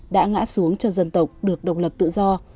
đã ngã xuống cho dân tộc được độc lập tự do